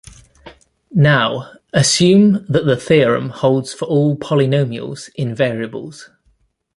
Now, assume that the theorem holds for all polynomials in variables.